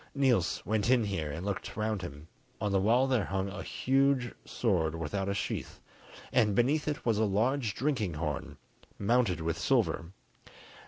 Niels went in here and looked round him: on the wall there hung a huge sword without a sheath, and beneath it was a large drinking horn, mounted with silver.